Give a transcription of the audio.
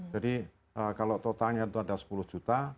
jadi kalau totalnya itu ada sepuluh juta